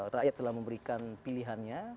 rakyat telah memberikan pilihannya